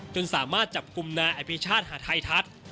จนสามารถจับกลุ่มนายอภิชาติหาทัยทัศน์